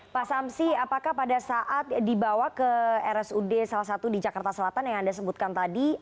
pak samsi apakah pada saat dibawa ke rsud salah satu di jakarta selatan yang anda sebutkan tadi